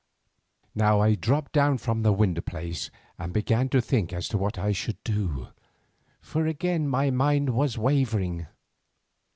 Now I dropped down from the window place and began to think as to what I should do, for again my mind was wavering.